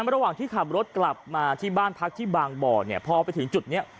ระหว่างที่ขับรถกลับมาที่บ้านพักที่บางบ่อเนี่ยพอไปถึงจุดนี้